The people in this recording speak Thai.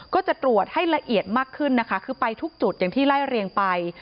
ก็จะตรวจให้ละเอียดมากขึ้นนะคะคือไปทุกจุดอย่างที่ไล่เรียงไป